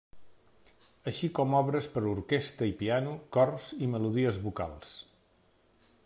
Així com obres per a orquestra i piano, cors i melodies vocals.